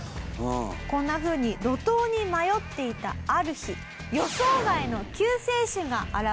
こんなふうに路頭に迷っていたある日予想外の救世主が現れるんです。